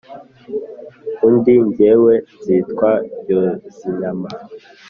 undi jyewe nzitwa yozinyama,